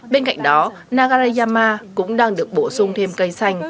bên cạnh đó nagareyama cũng đang được bổ sung thêm cây xanh